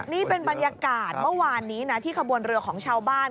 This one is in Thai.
นี่เป็นบรรยากาศเมื่อวานนี้นะที่ขบวนเรือของชาวบ้าน